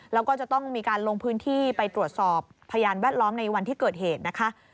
แล้วก็จะต้องมีการลงพื้นที่ไปตรวจสอบพยานแวดล้อมในวันที่เกิดเหตุนะคะ